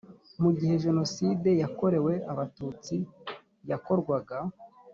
mu gihe jenoside yakorewe abatutsi yakorwaga